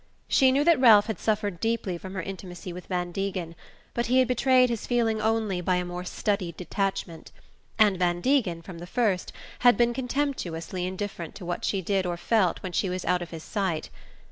She knew that Ralph had suffered deeply from her intimacy with Van Degen, but he had betrayed his feeling only by a more studied detachment; and Van Degen, from the first, had been contemptuously indifferent to what she did or felt when she was out of his sight.